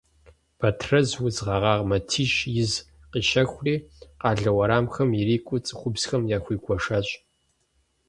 Бэтрэз удз гъэгъа матищ из къищэхури, къалэ уэрамхэм ирикӏуэ цӏыхубзхэм яхуигуэшащ.